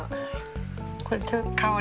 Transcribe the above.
香り？